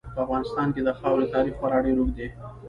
په افغانستان کې د خاورې تاریخ خورا ډېر اوږد دی.